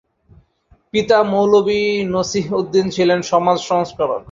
পিতা মৌলবি নসিহ্উদ্দীন ছিলেন সমাজ-সংস্কারক।